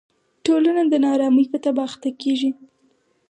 ټولنه د نا ارامۍ په تبه اخته کېږي.